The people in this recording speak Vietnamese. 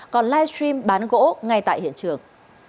còn livestream bán gỗ ngay tại hiện trường